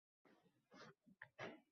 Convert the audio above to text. Buni tushunish mumkin